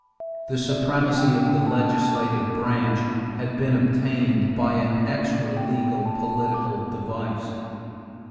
The supremacy of the legislative branch had been obtained by an extra legal political device.